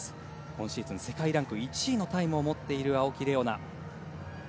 今シーズン世界ランク１位のタイムを持っている青木玲緒樹。